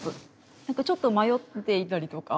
なんかちょっと迷っていたりとか。